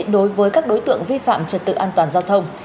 đối với các đối tượng vi phạm trật tự an toàn giao thông